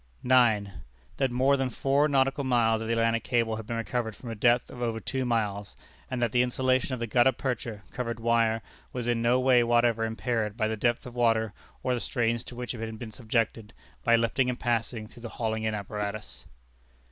9. That more than four nautical miles of the Atlantic Cable have been recovered from a depth of over two miles, and that the insulation of the gutta percha covered wire was in no way whatever impaired by the depth of water or the strains to which it had been subjected by lifting and passing through the hauling in apparatus.